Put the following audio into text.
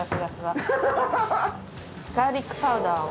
ガーリックパウダーを。